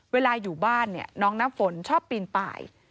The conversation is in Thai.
เวลาอยู่บ้านเนี่ยน้องน้ำฝนชอบปีนป่าย